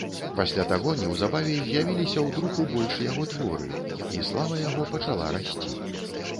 Пасля таго неўзабаве з'явіліся ў друку больш яго творы, і слава яго пачала расці.